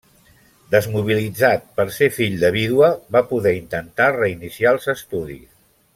Desmobilitzat per ser fill de vídua, va poder intentar reiniciar els estudis.